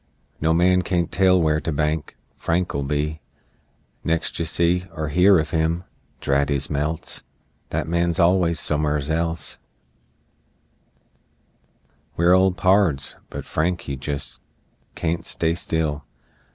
No man can't tell where to bank Frank'll be, Next you see Er hear of him! Drat his melts! That man's allus somers else! We're old pards. But Frank he jest Can't stay still!